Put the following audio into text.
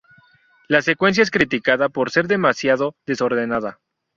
La secuencia es criticada por ser demasiado desordenada.